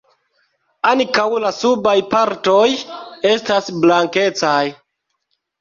Ankaŭ la subaj partoj estas blankecaj.